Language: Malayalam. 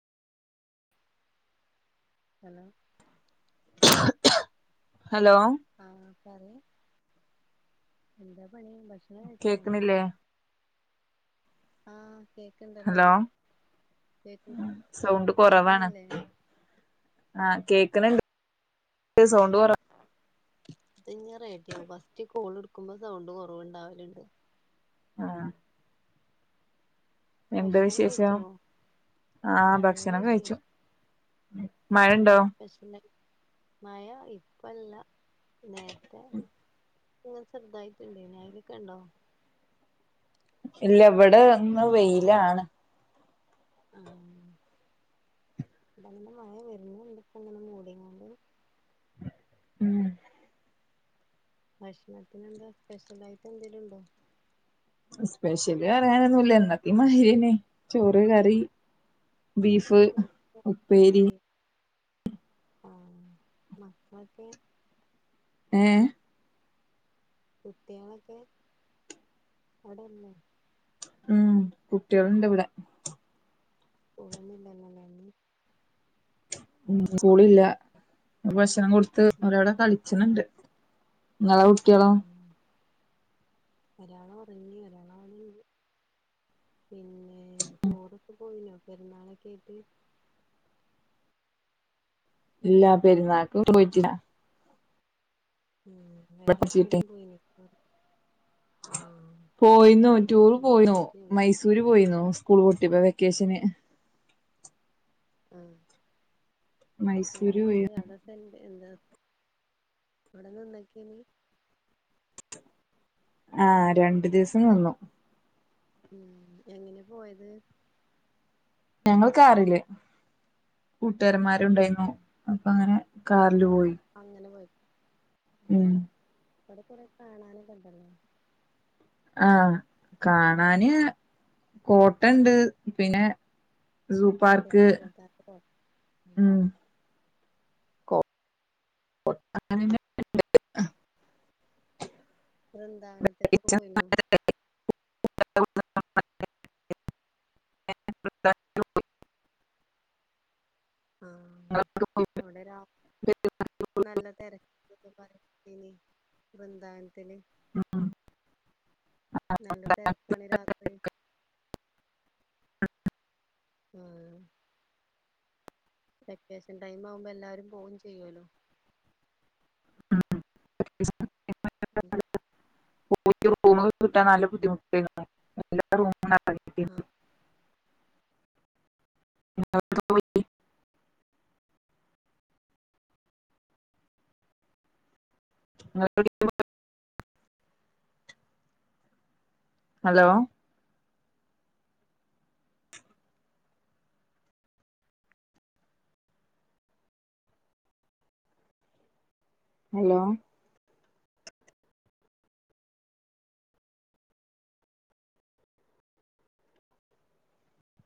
ഹലോ ഹലോ ആഹ് പറയ് എന്താ പണി ഭക്ഷ കേക്ക്ണില്ലേ? ആഹ് കേ ഹലോ സൗണ്ട് കൊറവാണ്. കേക്ക്ണില്ലേ ആഹ് കേക്ക്ണ് ണ്ട് സൗണ്ട് കൊറ അത് ഞ് റെഡ്യാവും ഫസ്റ്റ് കോള്‌ട്ക്കുമ്പോ സൗണ്ട് കുറവ്ണ്ടാവല്ണ്ട്. ആഹ് എന്താ ഭക്ഷണം വിശേഷം കഴിച്ചോ? ആഹ് നല്ല ഭക്ഷണം കഴിച്ചു വിശേഷ് എന്താ മഴണ്ടോ സ്പെഷ്യല്? മയ ഇപ്പല്ല നേരത്തെ ഉം ഇങ്ങനെ ചെർതായിട്ട് ണ്ടേനി അയ്ലൊക്കെണ്ടോ? ഇല്ല ഇവടെ ഇന്ന് വെയിലാണ്. ആഹ് നല്ല മഴ വരുന്നുണ്ട്പ്പോ അങ്ങനെ മൂടീംകൊണ്ട് ഉം ഭക്ഷണത്തിനെന്താ സ്പെഷ്യലായിട്ട് എന്തെലും ഉണ്ടോ സ്പെഷ്യല് പറയാനൊന്നൂല്ല എന്നത്തേം മാതിരിയന്നെ ചോറ് കറി ബീഫ് ഉപ്പേരി ആഹ് മക്കളൊക്കെ ഏഹ് കുട്ടികളൊക്കെ അവിടെയില്ലേ ഉം കുട്ടികളുണ്ടിവിടെ സ്‌കൂളൊന്നുവില്ലല്ലേന്ന് ഉം സ്കൂളില്ല ഭക്ഷണം കൊടുത്ത് ഉം അവരവിടെ കളിച്ചണുണ്ട് ആഹ് ഒരാളൊറങ്ങി ഒരാള് അവിടുണ്ട് പിന്നെ ടൂറൊക്കെ പോയിനോ പെരുന്നാളൊക്കെ ആയിട്ട് ഇല്ല പെരുന്നാൾക്ക് പോയിട്ടില്ല ഉം ഇവിടെ പഠിച്ചിട്ട് വേറെവ്ട്ക്കേലും പോയിനോ ആഹ്. പോയിന്നു ഓൻ ടൂറ് മരിച്ച പോയിന്നു സാഹചര്യാണ് മൈസൂര് പോയിന്നു സ്കൂള് പൂട്ട്യപ്പോ വെക്കേഷന്. ആഹ്. മൈസ് ടെണ്ട് അവിടെത്തെ എന്താ അവിടെന്തോ ഉണ്ടാക്ക്യേനി ആഹ് രണ്ട് ദിവസം വന്നു. ഉം എങ്ങനെ പോയത്. ഞങ്ങള് കാറില്. ഉം കൂട്ടുകാരന്മാരുണ്ടായിന്നു അപ്പ അങ്ങനെ കാറില് ആഹ് പോയി. അങ്ങനെ പോയി ഉം അവ്ടെ കൊറെ കാണാനൊക്കണ്ടല്ലോ. ആഹ് കാണാന് കോട്ട ണ്ട് പിന്നെ സൂ പാർക്ക് ടിപ്പു സുൽത്താന്റെ കോട്ട ഉം. ഓ അങ്ങനന്നെ വൃന്ദാവനത്ത്ക്കൊക്കെ പോയിന്നോ? [inaudible] അവടെ രാ നല്ല തെരക്കെക്കെ പറഞ്ഞീനി വൃന്ദാവന ത്തില് നല്ല തെരക്കാണ് രാത്രി. ആഹ്. വെക്കേഷൻ ടൈമാവുമ്പോ എല്ലാരും പോവും ചെയ്യോല്ലോ. [unintelligible] ഉം. [inaudible] ക്കൊ കിട്ടാ നല്ല ബുദ്ധിമുട്ടായ്ന്നു എല്ലാ റൂമും [unintelligible] ആഹ്. [unintelligible] ഇങ്ങളെ [inaudible] ഹലോ. ഹലോ.